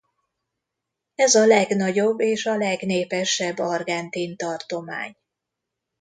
Ez a legnagyobb és a legnépesebb argentin tartomány.